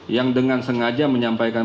yang dengan sengaja menyampaikan